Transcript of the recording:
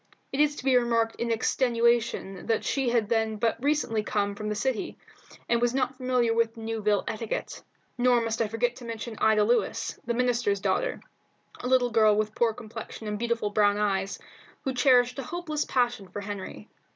It is to be remarked in extenuation that she had then but recently come from the city, and was not familiar with Newville etiquette. Nor must I forget to mention Ida Lewis, the minister's daughter, a little girl with poor complexion and beautiful brown eyes, who cherished a hopeless passion for Henry.